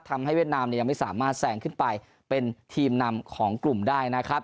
ทำให้เวียดนามยังไม่สามารถแส่งขึ้นไปเป็นทีมนำของกลุ่มได้นะครับ